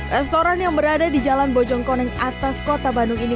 restoran yang berada di jalan bojongkoneng atas kota bandung ini